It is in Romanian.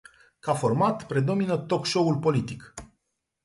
Ca format, predomina talk show-ul politic.